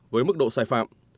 với mức độ sai phạm